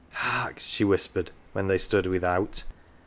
" Hark," she whispered when they stood without.